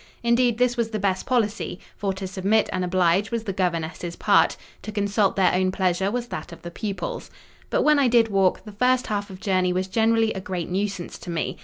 Indeed, this was the best policy—for to submit and oblige was the governess's part, to consult their own pleasure was that of the pupils. But when I did walk, the first half of journey was generally a great nuisance to me.